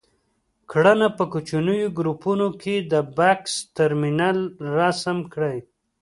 کړنه: په کوچنیو ګروپونو کې د بکس ترمینل رسم کړئ.